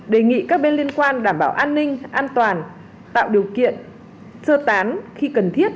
đề nghị các bên liên quan đảm bảo an ninh an toàn tạo điều kiện sơ tán khi cần thiết